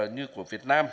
như của việt nam